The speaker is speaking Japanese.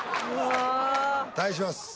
対します